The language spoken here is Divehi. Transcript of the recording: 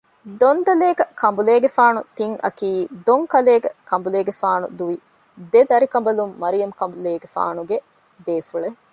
ދޮން ދަލޭކަ ކަނބުލޭގެފާނު ތިން އަކީ ދޮން ދަލޭކަ ކަނބުލޭގެފާނު ދުވި ގެ ދަރިކަނބަލުން މަރިޔަމް ކަނބުލޭގެފާނުގެ ބޭފުޅެއް